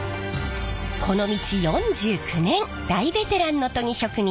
この道４９年大ベテランの研ぎ職人